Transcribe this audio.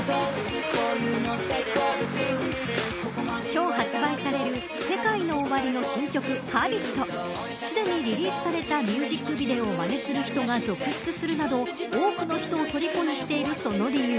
今日発売されるＳＥＫＡＩＮＯＯＷＡＲＩの新曲Ｈａｂｉｔすでにリリースされたミュージックビデオをまねする人が続出するなど多くの人をとりこにしているその理由